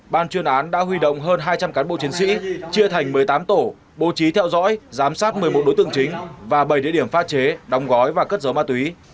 ban chuyên án đã huy động hơn hai trăm linh cán bộ chiến sĩ chia thành một mươi tám tổ bố trí theo dõi giám sát một mươi một đối tượng chính và bảy địa điểm pha chế đóng gói và cất dấu ma túy